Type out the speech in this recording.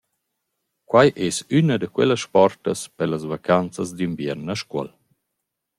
Quai es üna da quellas sportas per las vacanzas d’inviern a Scuol.